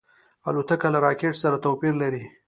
الوتکه له راکټ سره توپیر لري.